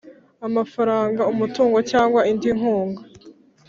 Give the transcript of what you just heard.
amafaranga umutungo cyangwa indi nkunga